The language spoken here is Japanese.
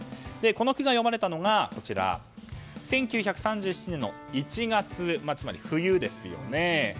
この句が詠まれたのが１９３７年の１月つまり冬ですよね。